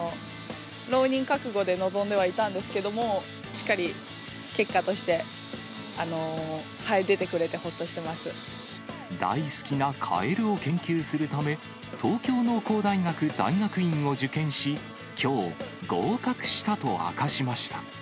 浪人覚悟で臨んではいたんですけれども、しっかり結果として出て大好きなカエルを研究するため、東京農工大学大学院を受験し、きょう、合格したと明かしました。